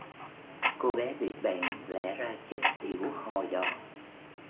Cô bé bị bệnh lẽ ra chết tiểu hồi đó